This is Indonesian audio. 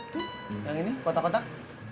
tuh yang ini kotak kotak